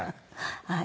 はい